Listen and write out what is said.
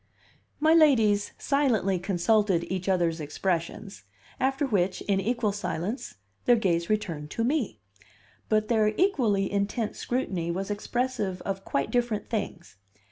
My ladies silently consulted each other's expressions, after which, in equal silence, their gaze returned to me; but their equally intent scrutiny was expressive of quite different things.